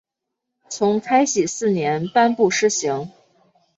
从开禧四年颁布施行。